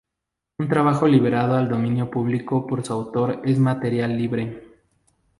Un trabajo liberado al dominio público por su autor es material libre.